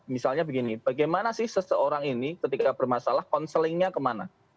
misalnya begini bagaimana sih seseorang ini ketika bermasalah konselingnya kemana